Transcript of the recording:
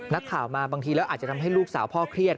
นักข่าวมาบางทีแล้วอาจจะทำให้ลูกสาวพ่อเครียด